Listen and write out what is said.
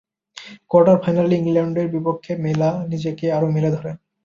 কোয়ার্টার-ফাইনালে ইংল্যান্ডের বিপক্ষে মিলা নিজেকে আরও মেলে ধরেন।